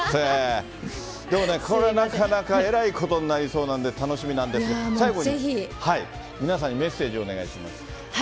でもね、これ、なかなかえらいことになりそうなんで楽しみなんですが、最後に皆さんにメッセージをお願いします。